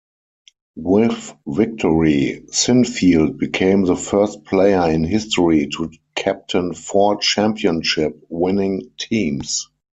With victory, Sinfield became the first player in history to captain four championship-winning teams.